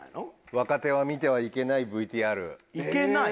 「若手は見てはいけないＶＴＲ」いけない？